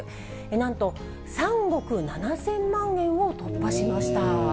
なんと、３億７０００万円を突破しました。